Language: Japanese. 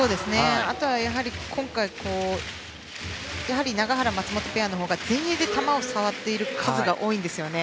あとは、やはり今回永原、松本ペアのほうが前衛で球を触る数が多いんですね。